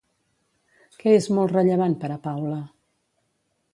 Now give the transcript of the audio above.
Què és molt rellevant per a Paula?